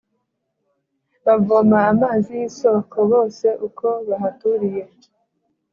Bavoma amazi y’isoko bose uko bahaturiye